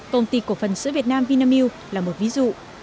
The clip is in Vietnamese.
công ty cổ phần sữa việt nam vinamilk là một ví dụ